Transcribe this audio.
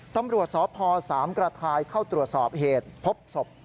ตำรวจสพสามกระทายเข้าตรวจสอบเหตุพบศพ